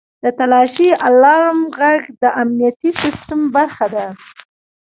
• د تالاشۍ الارم ږغ د امنیتي سیستم برخه ده.